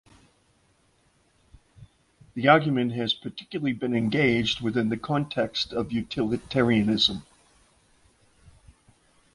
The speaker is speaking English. The argument has particularly been engaged within the context of utilitarianism.